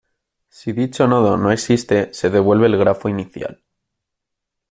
Si dicho nodo no existe se devuelve el grafo inicial.